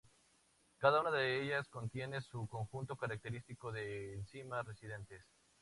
Cada una de ellas contiene su conjunto característico de enzimas residentes.